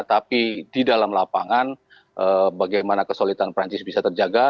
tapi di dalam lapangan bagaimana kesulitan perancis bisa terjaga